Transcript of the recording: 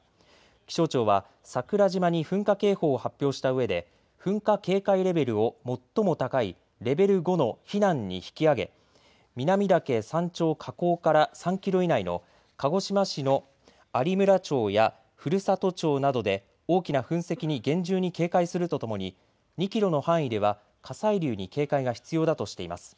気象庁は桜島に噴火警報を発表したうえで噴火警戒レベルを最も高いレベル５の避難に引き上げ、南岳山頂火口から３キロ以内の鹿児島市の有村町や古里町などで大きな噴石に厳重に警戒するとともに２キロの範囲では火砕流に警戒が必要だとしています。